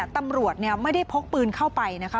ตำรวจไม่ได้พกปืนเข้าไปนะคะ